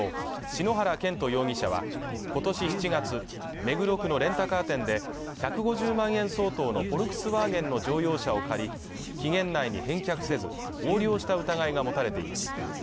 篠原健斗容疑者は今年７月目黒区のレンタカー店で１５０万円相当のフォルクスワーゲンの乗用車を借り期限内に返却せず横領した疑いが持たれています